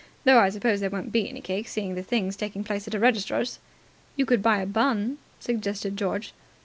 Though I suppose there won't be any cake, seeing the thing's taking place at a registrar's." "You could buy a bun," suggested George.